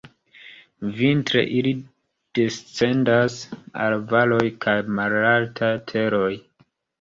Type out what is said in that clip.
Vintre ili descendas al valoj kaj malaltaj teroj.